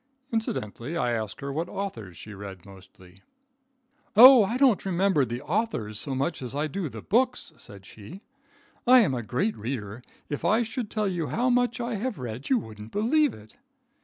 Incidentally I asked her what authors she read mostly. "O, I don't remember the authors so much as I do the books," said she; "I am a great reader. If I should tell you how much I have read, you wouldn't believe it."